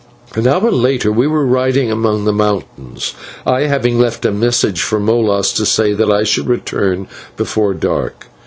An hour later we were riding among the mountains, I having left a message for Molas to say that I should return before dark.